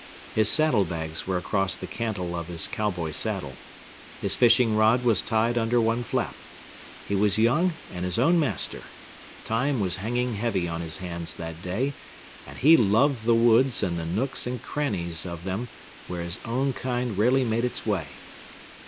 His saddle bags were across the cantle of his cow boy saddle. His fishing rod was tied under one flap. He was young and his own master. Time was hanging heavy on his hands that day and he loved the woods and the nooks and crannies of them where his own kind rarely made its way.